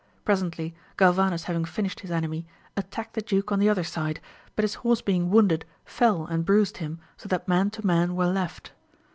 Presently Galvanes having finished his enemy, attacked the duke on the other side, but his horse being wounded fell and bruised him, so that man to man were left.